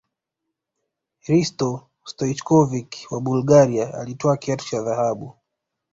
hristo stoichkovic wa bulgaria alitwaa kiatu cha dhahabu